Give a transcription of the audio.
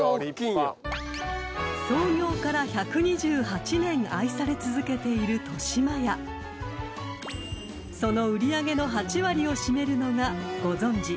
［創業から１２８年愛され続けている］［その売り上げの８割を占めるのがご存じ